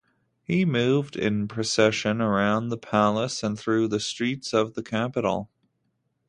He moved in procession around the palace and through the streets of the capital.